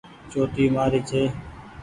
چوٽي مآري ڇي۔